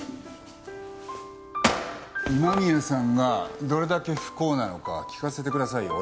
今宮さんがどれだけ不幸なのか聞かせてくださいよ。